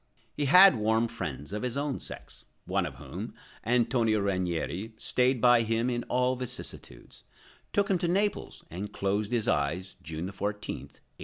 He had warm friends of his own sex, one of whom, Antonio Ranieri, stayed by him in all vicissitudes, took him to Naples, and closed his eyes, June 14, 1837.